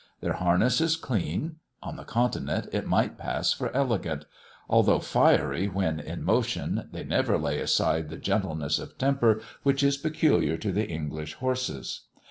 Their harness is clean; on the continent it might pass for elegant. Although fiery when in motion, they never lay aside that gentleness of temper which is peculiar to the English horses.